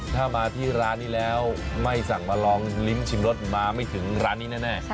ถ้ามาที่ร้านนี้แล้วไม่สั่งมาลองลิ้มชิมรสมาไม่ถึงร้านนี้แน่